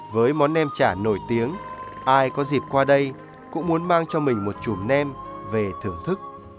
với món nem chả nổi tiếng ai có dịp qua đây cũng muốn mang cho mình một chủ nem về thưởng thức